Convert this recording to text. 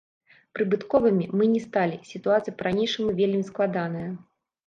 Прыбытковымі мы не сталі, сітуацыя па-ранейшаму вельмі складаная.